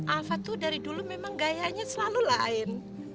alfa tuh dari dulu memang gayanya selalu lain